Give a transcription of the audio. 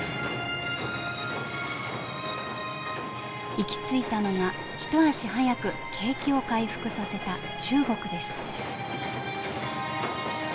行き着いたのが一足早く景気を回復させた中国です。